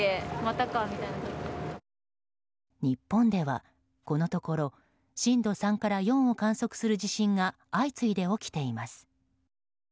日本では、このところ震度３から４を観測する地震が相次いで起きています。